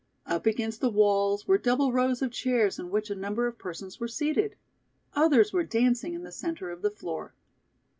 Up against the walls were double rows of chairs in which a number of persons were seated. Others were dancing in the centre of the floor.